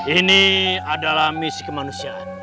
ini adalah misi kemanusiaan